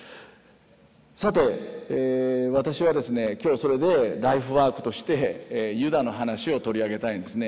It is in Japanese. さて私はですね今日それでライフワークとしてユダの話を取り上げたいんですね。